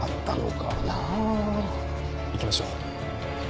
行きましょう。